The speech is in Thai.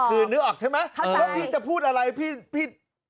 คือนึกออกใช่ไหมแล้วพี่จะพูดอะไรพี่